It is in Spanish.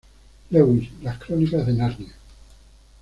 Lewis, "Las Crónicas de Narnia".